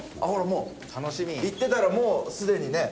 もう言ってたらもうすでにね。